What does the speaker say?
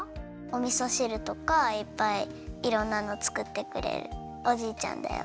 おみそしるとかいっぱいいろんなの作ってくれるおじいちゃんだよ。